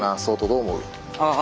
ああ。